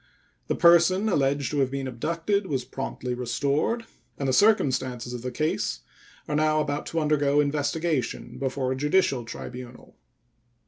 The person alleged to have been abducted was promptly restored, and the circumstances of the case are now about to undergo investigation before a judicial tribunal.